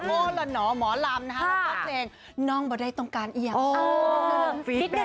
ขอต้อนรักน้องเวียงนารุบลด้วยค่ะ